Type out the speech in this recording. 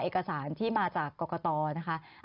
เอกสารที่มาจากกรกตนะคะ